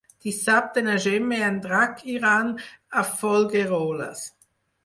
Dissabte na Gemma i en Drac iran a Folgueroles.